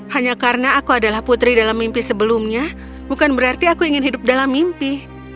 hanya karena aku adalah putri dalam mimpi sebelumnya bukan berarti aku ingin hidup dalam mimpi